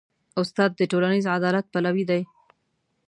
استاد د ټولنیز عدالت پلوی دی.